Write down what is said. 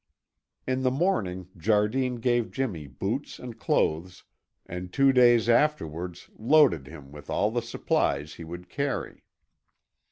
In the morning Jardine gave Jimmy boots and clothes, and two days afterwards loaded him with all the supplies he would carry.